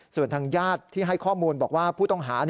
ส่วนทางญาติที่ให้ข้อมูลบอกว่าผู้ต้องหา